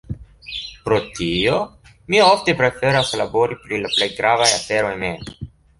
Pro tio, mi ofte preferas labori pri la plej gravaj aferoj mem.